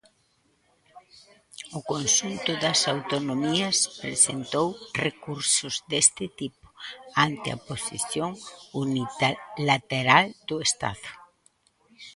O conxunto das autonomías presentou recursos deste tipo ante a posición unilateral do Estado.